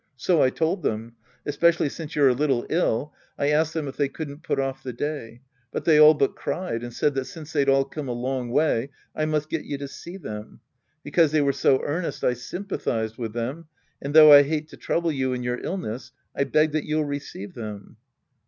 So I told them. Especially since you're a little ill, I asked them if they couldn't put QfLthe_day But they all but cried and said that since they'd all come a long way, I must get you to see them. Because they were so earnest, I sym pathized with them, and though I hate to trouble you in your illness, I beg that you'll receive them.